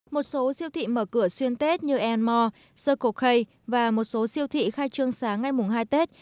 một số siêu thị mở cửa xuyên tết như elmore circle k và một số siêu thị khai trương sáng ngay mùng hai tết